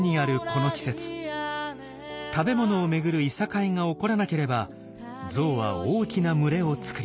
この季節食べ物を巡るいさかいが起こらなければゾウは大きな群れを作ります。